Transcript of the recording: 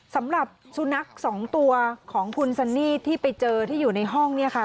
สำหรับสุนัขสองตัวของคุณซันนี่ที่ไปเจอที่อยู่ในห้องเนี่ยค่ะ